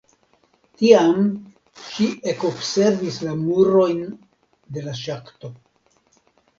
Tiam ŝi ekobservis la murojn de la ŝakto.